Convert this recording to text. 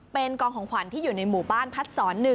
เป็นกองของขวัญที่อยู่ในหมู่บ้านพัดศร๑